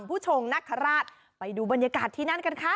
ผู้ชงนคราชไปดูบรรยากาศที่นั่นกันค่ะ